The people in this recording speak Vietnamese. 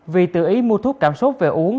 vì tự ý mua thuốc cảm xúc về uống